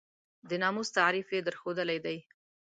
د ناموس تعریف یې درښودلی دی.